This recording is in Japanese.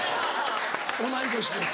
「同い年です」